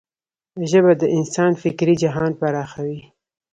ژبه د انسان فکري جهان پراخوي.